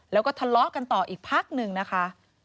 แล้วก็ทะเลาะกันต่ออีกพักหนึ่งนะคะ